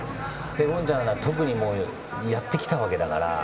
権ちゃんなんて、特にやってきたわけだから。